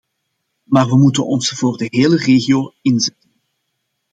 Maar we moeten ons voor de hele regio inzetten.